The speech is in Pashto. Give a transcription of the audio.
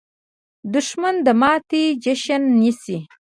دښمن د ماتې جشن نیسي